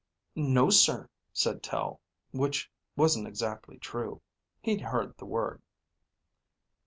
"No, sir," said Tel, which wasn't exactly true. He'd heard the word.